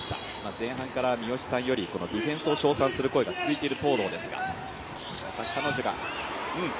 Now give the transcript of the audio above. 前半から三好さんよりディフェンスを絶賛する声が続いています。